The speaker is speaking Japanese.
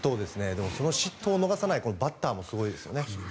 でも、その失投を逃さないバッターもすごいですよね。